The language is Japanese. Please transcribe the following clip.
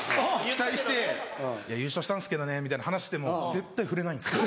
期待して「優勝したんですけどね」みたいな話しても絶対触れないんですよ。